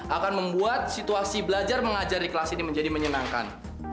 akan membuat situasi belajar mengajar di kelas ini menjadi menyenangkan